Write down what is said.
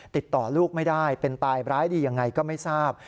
ติดต่อลูกไม่ได้เป็นตายร้ายดียังไงก็ไม่ทราบ